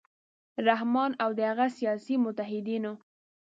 رحمان او د هغه سیاسي متحدینو